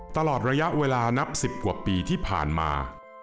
ตลอดระยะเวลานับ๑๐กว่าปีที่ผ่านมา